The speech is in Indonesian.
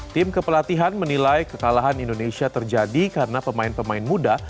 tim kepelatihan menilai kekalahan indonesia terjadi karena pemain pemain muda